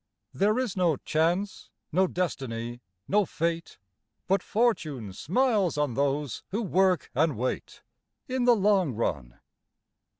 There is no Chance, no Destiny, no Fate, But Fortune smiles on those who work and wait, In the long run.